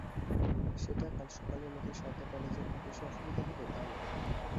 সেটা কাল সকালের মধ্যে সারতে পারলে যে খুব বেশি অসুবিধা হত তা নয়।